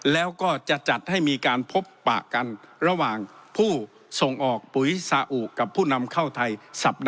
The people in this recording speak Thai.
แล้วก็จะจัดให้มีการพบปะกันระหว่างผู้ส่งออกปุ๋ยซาอุกับผู้นำเข้าไทยสัปดาห์